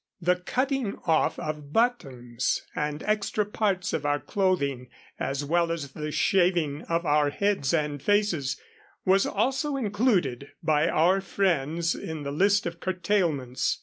The cutting off of buttons and extra parts of our clothing, as well as the shaving of our heads and faces, was also included by our friends in the list of curtailments.